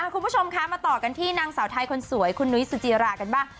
คุณผู้ชมคะมาต่อกันที่นางสาวไทยคนสวยคุณนุ้ยสุจิรากันบ้าง